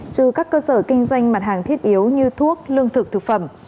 trừ các cơ sở kinh doanh mặt hàng thiết yếu như thuốc lương thực thực phẩm